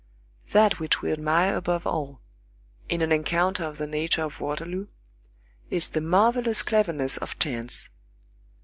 That which we admire above all, in an encounter of the nature of Waterloo, is the marvellous cleverness of chance.